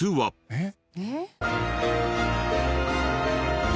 えっ？